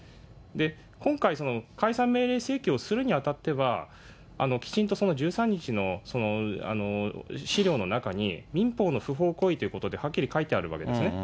今回、解散命令請求をするにあたっては、きちんと１３日の資料の中に、民法の不法行為ということではっきり書いてあるわけですね。